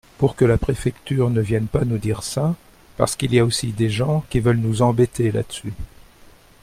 Pour que la préfecture ne viennent pas nous dire ça, parce qu’il y aussi des gens qui veulent nous embêter là-dessus.